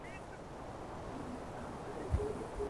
Se encuentra en Argentina, Brasil, Paraguay, Surinam y Venezuela.